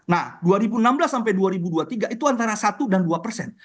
nah dua ribu enam belas sampai dua ribu dua puluh tiga itu antara satu dan dua persen